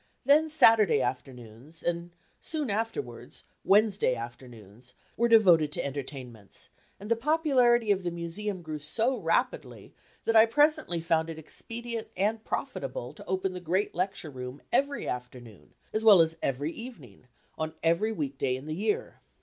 Then Saturday afternoons, and, soon afterwards, Wednesday afternoons were devoted to entertainments and the popularity of the Museum grew so rapidly that I presently found it expedient and profitable to open the great Lecture Room every afternoon, as well as every evening, on every week day in the year.